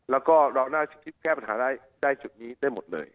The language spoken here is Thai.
แล้วก็เราน่าจะคิดแก้ปัญหาได้จุดนี้ได้หมดเลย